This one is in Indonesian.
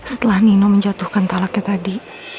setelah nino menjatuhkan talaknya tadi